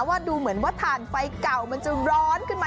ว่าดูเหมือนว่าถ่านไฟเก่ามันจะร้อนขึ้นมา